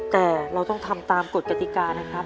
แต่เราต้องทำตามกฎกติกานะครับ